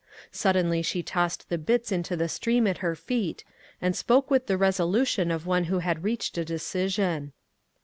Suddenly she tossed the bits into the stream at her feet, and spoke with the resolution of one who had reached a decision.